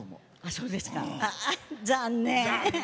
そうですか、残念！